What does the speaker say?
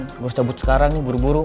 gue harus cabut sekarang nih buru buru